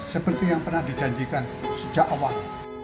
seperti yang pernah dijanjikan sejak awal